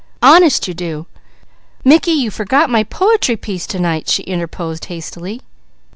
Honest you do!" "Mickey, you forgot my po'try piece to night!" she interposed hastily.